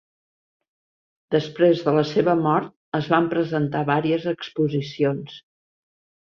Després de la seva mort es van presentar vàries exposicions.